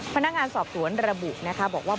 พนักงานสอบสวนระบุนะคะบอกว่า